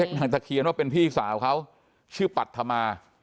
นางตะเคียนว่าเป็นพี่สาวเขาชื่อปัธมา